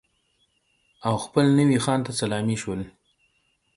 او خپل نوي خان ته سلامي شول.